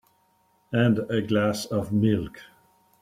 And a glass of milk.